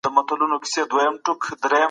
دولت په خصوصي چارو کي لاسوهنه نه کوي.